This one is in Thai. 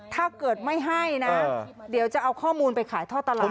ถ้าเกิดไม่ให้นะเดี๋ยวจะเอาข้อมูลไปขายท่อตลาด